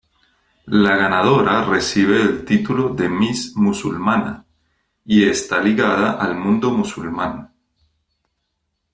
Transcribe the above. La ganadora recibe el título de Miss Musulmana, y está ligada al mundo musulmán.